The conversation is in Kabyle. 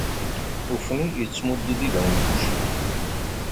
Ufni yettmuddu-d ibawen n wuccen.